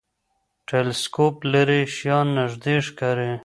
ټلسکوپ لرې شیان نږدې ښکاري.